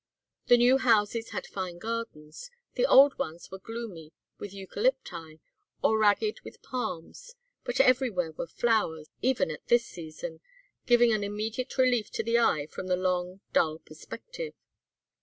The new houses had fine gardens, the old ones were gloomy with eucalypti, or ragged with palms, but everywhere were flowers, even at this season, giving an immediate relief to the eye from the long dull perspective.